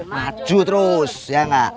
maju terus ya gak